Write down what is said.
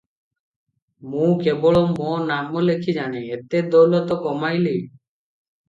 ମୁଁ କେବଳ ମୋ ନାମ ଲେଖି ଜାଣେ, ଏତେ ଦୌଲତ କମାଇଲି ।